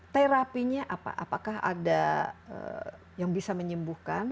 terapinya apa apakah ada yang bisa menyembuhkan